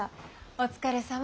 お疲れさま。